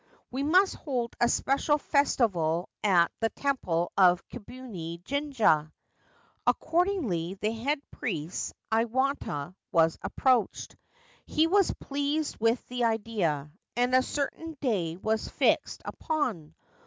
We must hold a special festival at the temple of Kibune Jinja.' Accordingly, the head priest, Iwata, was approached. He was pleased with the idea, and a certain day was fixed upon.